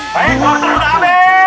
baik waktu sudah habis